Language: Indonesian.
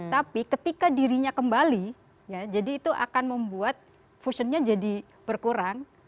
tapi ketika dirinya kembali jadi itu akan membuat fusionnya jadi berkurang